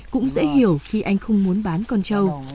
cũng dễ hiểu khi anh không muốn bán con trâu